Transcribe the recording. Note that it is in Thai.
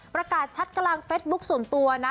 ประกาศชัดกลางเฟสบุ๊คส่วนตัวนะ